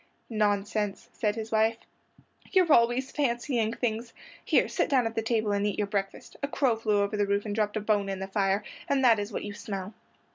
"Nonsense," said his wife, "you're always fancying things. Here, sit down at the table and eat your breakfast. A crow flew over the roof and dropped a bone in the fire, and that is what you smell."